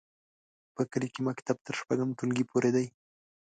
په کلي کې مکتب تر شپږم ټولګي پورې دی.